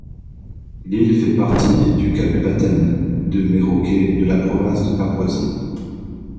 L'île fait partie du kabupaten de Merauke de la province de Papouasie.